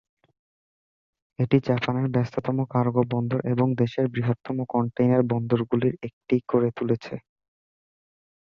এটি জাপানের ব্যস্ততম কার্গো বন্দর এবং দেশের বৃহত্তম কনটেইনার বন্দরগুলির একটি করে তুলেছে।